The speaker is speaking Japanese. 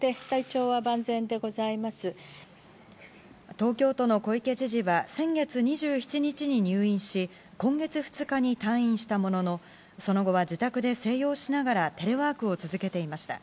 東京都の小池知事は先月２７日に入院し今月２日に退院したもののその後は自宅で静養しながらテレワークを続けていました。